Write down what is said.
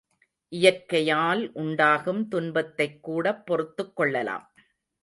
இயற்கையால் உண்டாகும் துன்பத்தைக் கூடப் பொறுத்துக் கொள்ளலாம்.